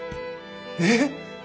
えっ！